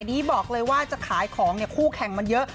ในวิดีโอบอกเลยว่าใช้ของคู่แข่งมาเยอะ